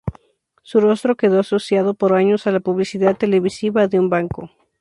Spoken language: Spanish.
Su rostro quedó asociado por años a la publicidad televisiva de un banco.